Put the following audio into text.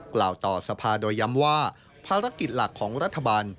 กล่าวต่อสภาโดยย้ำว่าภารกิจหลักของรัฐบาล